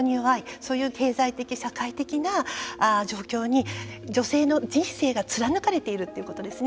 そういう経済的社会的な状況に女性の人生が貫かれているということですね。